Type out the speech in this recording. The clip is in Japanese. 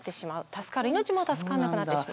助かる命も助からなくなってしまう。